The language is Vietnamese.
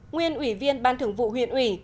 nguyên ủy viên ban thường vụ huyện uỷ